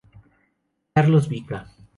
Carlos Bica.